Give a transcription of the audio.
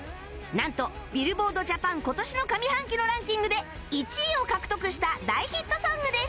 なんと ＢｉｌｌｂｏａｒｄＪａｐａｎ 今年の上半期のランキングで１位を獲得した大ヒットソングです